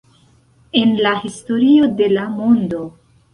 En la historio de la mondo